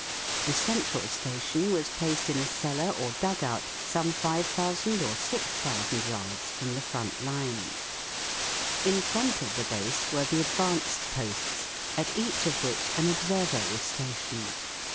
The central station was placed in a cellar or dug out some 5000 or 6000 yards from the front line. In front of the base were the advanced posts, at each of which an observer was stationed.